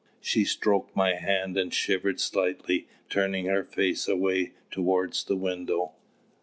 She stroked my hand and shivered slightly, turning her face away towards the window.